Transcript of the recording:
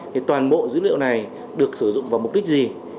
thì toàn bộ dữ liệu này được sử dụng vào mục đích gì